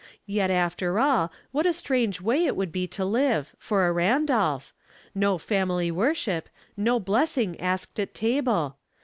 Yet, after all, what a strange way it would be to live — for a Randolph; no family worship, no blessing asked at table.